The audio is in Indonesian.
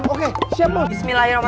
oke siap mas